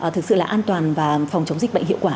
thực sự là an toàn và phòng chống dịch bệnh hiệu quả